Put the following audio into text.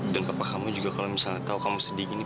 dan papa kamu juga kalau misalnya tahu kamu sedih gini